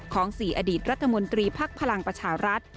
ของสี่อดีตรัฐมนตรีพักพลังประชารัฐ